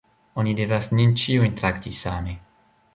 Oni devas nin ĉiujn trakti same.